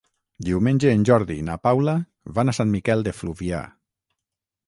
Diumenge en Jordi i na Paula van a Sant Miquel de Fluvià.